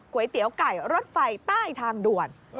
๋เตี๋ยวไก่รถไฟใต้ทางด่วน